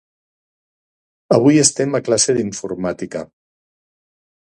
Avui estem a classe d'informàtica.